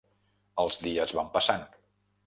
Els dies van passant.